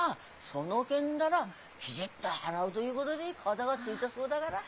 その件だらきぢっど払うということで片がついたそうだから。